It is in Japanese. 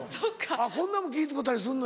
こんなんも気使うたりすんの？